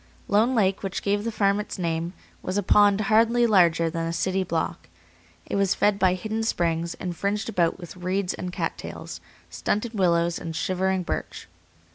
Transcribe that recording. Lone Lake, which gave the farm its name, was a pond hardly larger than a city block. It was fed by hidden springs, and fringed about with reeds and cat tails, stunted willows and shivering birch.